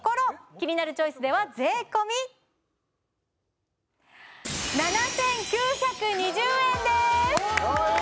キニナルチョイスでは税込７９２０円です！